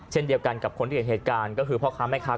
เช่นเดียวกันกับคนที่เห็นเหตุการณ์ก็คือพ่อค้าแม่ค้า